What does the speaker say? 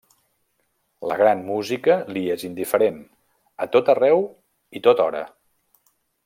La gran música li és indiferent, a tot arreu i tothora.